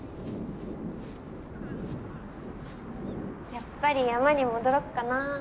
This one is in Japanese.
やっぱり山に戻ろっかな。